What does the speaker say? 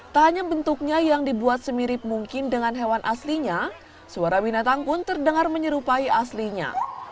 tak hanya bentuknya yang dibuat semirip mungkin dengan hewan aslinya suara binatang pun terdengar menyerupai aslinya